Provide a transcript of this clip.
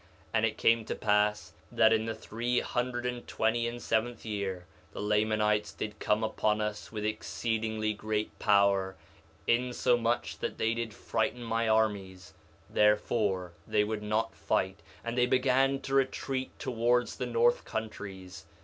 2:3 And it came to pass that in the three hundred and twenty and seventh year the Lamanites did come upon us with exceedingly great power, insomuch that they did frighten my armies; therefore they would not fight, and they began to retreat towards the north countries.